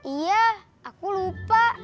iya aku lupa